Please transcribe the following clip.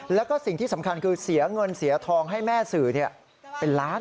แล้วก็สิ่งที่สำคัญคือเสียเงินเสียทองให้แม่สื่อเป็นล้าน